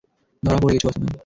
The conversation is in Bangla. ধরা পড়ে গেছো বাছাধন!